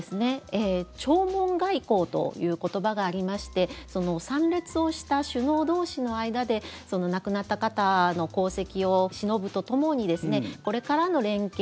弔問外交という言葉がありまして参列をした首脳同士の間で亡くなった方の功績をしのぶとともにこれからの連携